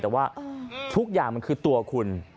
แต่ว่าทุกอย่างมันคือตัวคุณ